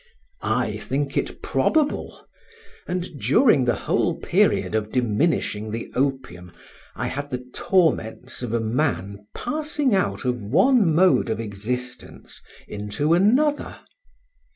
I think it probable; and during the whole period of diminishing the opium I had the torments of a man passing out of one mode of existence into another.